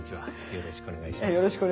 よろしくお願いします。